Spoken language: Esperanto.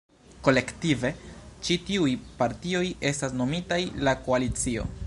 Kolektive, ĉi tiuj partioj estas nomitaj la Koalicio.